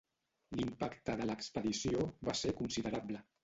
L'impacte de l'expedició va ser considerable.